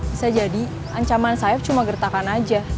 bisa jadi ancaman saya cuma gertakan aja